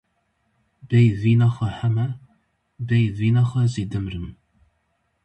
Bêyî vîna xwe heme, bêyî vîna xwe jî dimirim.